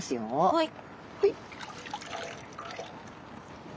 はい。